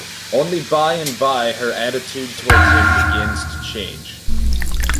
Only by and by her attitude towards him begins to change.